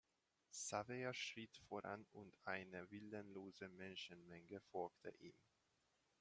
Xaver schritt voran und eine willenlose Menschenmenge folgte ihm.